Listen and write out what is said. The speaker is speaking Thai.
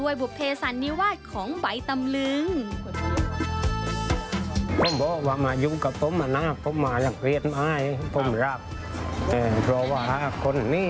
หลายครั้งเก็บไปเก็บมากล้าบอกความในใจสารภาพรัก